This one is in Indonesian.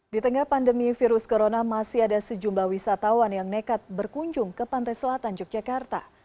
di tengah pandemi virus corona masih ada sejumlah wisatawan yang nekat berkunjung ke pantai selatan yogyakarta